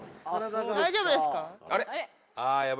大丈夫ですか？